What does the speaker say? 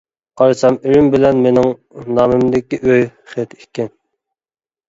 قارىسام ئىرىم بىلەن مېنىڭ نامىمدىكى ئۆي خېتى ئىكەن.